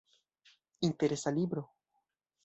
Interesa libro.